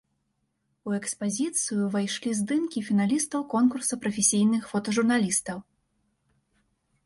У экспазіцыю ўвайшлі здымкі фіналістаў конкурса прафесійных фотажурналістаў.